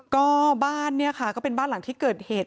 ก็บ้านเนี่ยค่ะก็เป็นบ้านหลังที่เกิดเหตุ